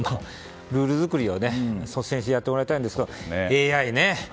ルール作りは率先してやってもらいたいんですけどＡＩね。